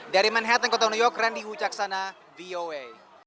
dari manhattan kota new york randy hucaksana voa